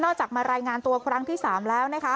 จากมารายงานตัวครั้งที่๓แล้วนะคะ